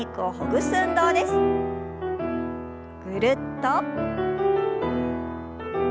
ぐるっと。